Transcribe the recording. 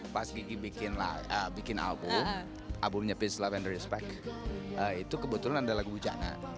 pas gigi bikinlah bikin album albumnya pisau and respect itu kebetulan ada lagu bujana